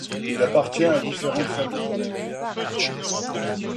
Il appartint à différentes familles.